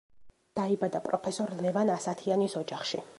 დაიბადა პროფესორ ლევან ასათიანის ოჯახში.